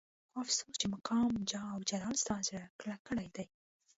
خو افسوس چې مقام جاه او جلال ستا زړه کلک کړی دی.